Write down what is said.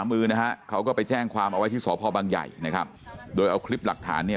มือนะฮะเขาก็ไปแจ้งความเอาไว้ที่สพบังใหญ่นะครับโดยเอาคลิปหลักฐานเนี่ย